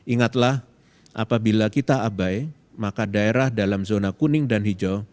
ingatlah apabila kita abai maka daerah dalam zona kuning dan hijau